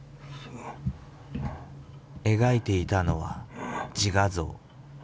描いていたのは自画像。